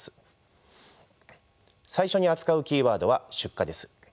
最初に扱うキーワードは出火です。